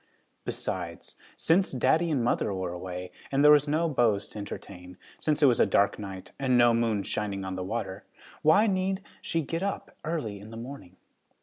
Besides, since daddy and mother were away, and there were no beaus to entertain, since it was a dark night and no moon shining on the water, why need she get up early in the morning?